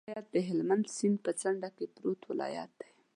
هلمند ولایت د هلمند سیند په څنډه کې پروت ولایت دی.